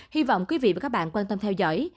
hy vọng quý vị và các bạn quan tâm theo dõi